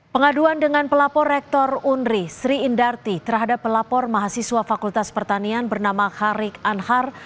pengaduan dengan pelapor rektor unri sri indarti terhadap pelapor mahasiswa fakultas pertanian bernama harik anhar